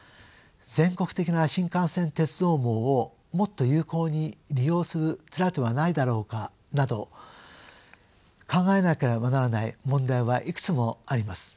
全国的な新幹線鉄道網をもっと有効に利用する手だてはないだろうかなど考えなければならない問題はいくつもあります。